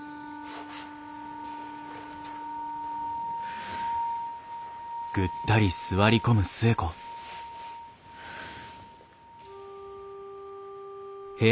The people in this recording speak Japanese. はあ。はあ。